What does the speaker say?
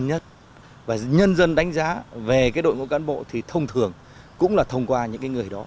nhân dân đánh giá về đội ngũ cán bộ thì thông thường cũng là thông qua những người đó